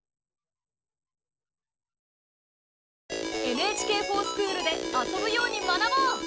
「ＮＨＫｆｏｒＳｃｈｏｏｌ」で遊ぶように学ぼう！